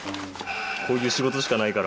こういう仕事しかないから。